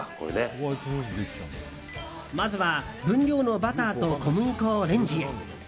まずは分量のバターと小麦粉をレンジへ。